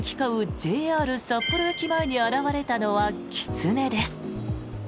ＪＲ札幌駅前に現れたのはキツネです。